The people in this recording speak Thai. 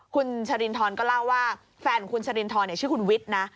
คุณชรินทรก็เล่าว่าแฟนของคุณชรินทรชื่อคุณวิทย์นะ